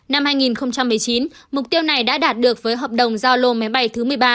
năm hai nghìn một mươi chín mục tiêu này đã đạt được với hợp đồng giao lô máy bay thứ một mươi ba